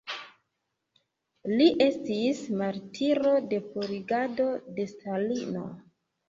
Li estis martiro de purigado de Stalino.